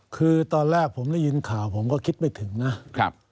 คือตอนแรกผมได้ยินข่าวผมก็คิดไม่ถึงนะครับ